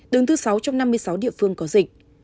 đứng thứ sáu trong năm mươi sáu địa phương có dịch